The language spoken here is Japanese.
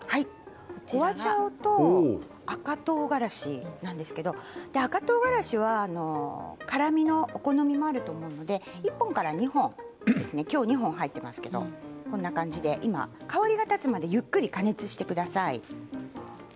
ホワジャオと赤とうがらしなんですけど赤とうがらしは辛みのお好みもあると思うので１本から２本きょうは２本入っていますけどこんな感じで、今香りが立つまでゆっくり加熱してください。